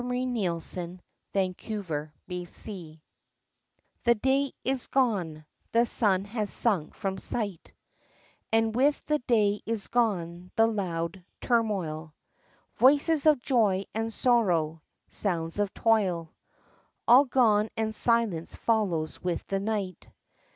XVII AFTER SLEEP— WAKING THE day is gone; — the sun has sunk from sight; And with the day is gone the loud turmoil — Voices of joy and sorrow — sounds of toil, All gone and silence follows with the night.